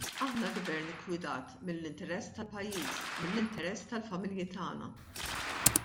Aħna Gvern iggwidat mill-interess tal-pajjiż, mill-interess tal-familji tagħna.